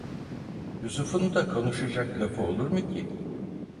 Yusuf'un da konuşacak lafı olur mu ki?